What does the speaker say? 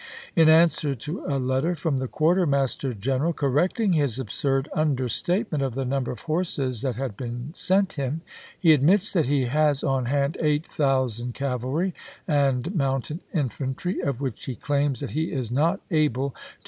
In ^p.' 3"" answer to a letter from the quartermaster general correcting his absurd understatement of the num ber of horses that had been sent him, he admits that he has on hand 8000 cavalry and mounted ^nSf infantry, of which he claims that he is not able to isS.